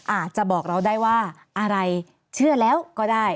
อาจจะบอกเราได้ว่าอะไรเชื่อแล้วก็ได้